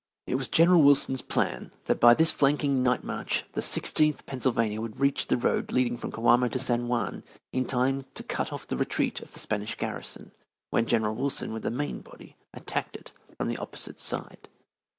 It was General Wilson's plan that by this flanking night march the Sixteenth Pennsylvania would reach the road leading from Coamo to San Juan in time to cut off the retreat of the Spanish garrison, when General Wilson, with the main body, attacked it from the opposite side.